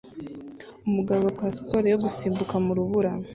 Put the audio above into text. Umugabo akora siporo yo gusimbuka mu rubura